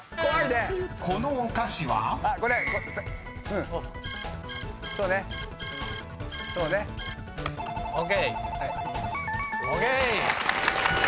［このお菓子は？］ＯＫ！